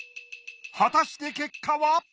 果たして結果は？